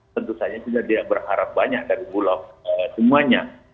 tentu saja sudah tidak berharap banyak dari bulog semuanya